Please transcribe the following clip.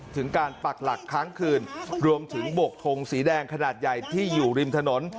ถึงการปักหลักค้างคืนรวมถึงบกทงสีแดงขนาดใหญ่ที่อยู่ริมถนน